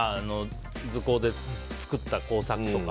図工で作った工作とか。